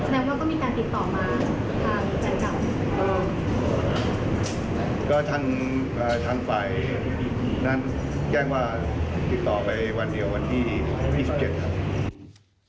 แสดงว่าก็มีการติดต่อมาทางแฟนเก่าก็ทางอ่าทางฝ่ายนั่นแกล้งว่าติดต่อไปวันเดียววันที่ที่สิบเจ็ดครับ